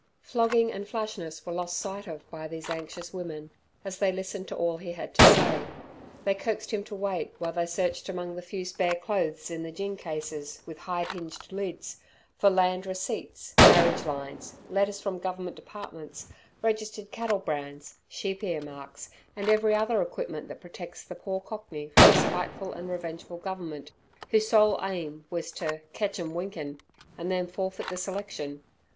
Flogging and flashness were lost sight of by these anxious women, as they listened to all he had to say. They coaxed him to wait while they searched among the few spare clothes in the gin cases with hide hinged lids, for land receipts, marriage lines, letters from Government Departments, registered cattle brands, sheep ear marks, and every other equipment that protects the poor cockey from a spiteful and revengeful Government, whose sole aim was "ter ketch 'em winkin'" and then forfeit the selection.